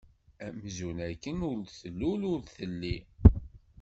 Amzun akken ur d-tlul ur telli.